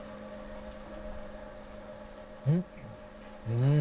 うん。